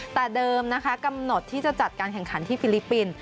แต่เดิมนะคะกำหนดที่จะจัดการแข่งขันที่ฟิลิปปินส์